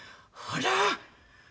ほら。